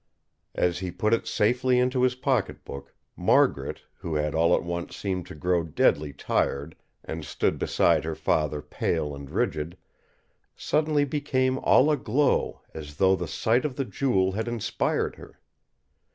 As he put it safely into his pocket book, Margaret, who had all at once seemed to grow deadly tired and stood beside her father pale and rigid, suddenly became all aglow, as though the sight of the Jewel had inspired her.